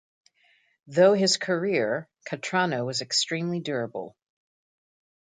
Though his career, Cattrano was extremely durable.